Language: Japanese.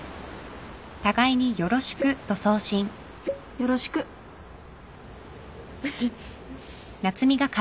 「よろしく」フフ。